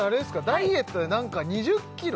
ダイエットで何か２０ｋｇ？